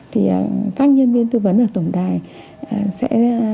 thì các nhân viên tư vấn ở tổng đài sẽ